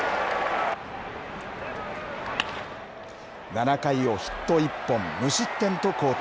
７回をヒット１本、無失点と好投。